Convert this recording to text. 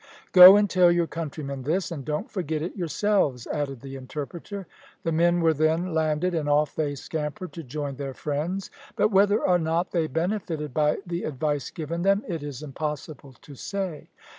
"Go and tell your countrymen this, and don't forget it yourselves," added the interpreter. The men were then landed, and off they scampered to join their friends; but whether or not they benefited by the advice given them, it is impossible to say.